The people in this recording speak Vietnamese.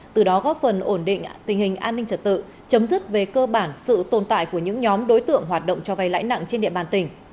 từ đó góp phần ổn định tình hình an ninh trật tự chấm dứt về cơ bản sự tồn tại của những nhóm đối tượng hoạt động cho vay lãi nặng trên địa bàn tỉnh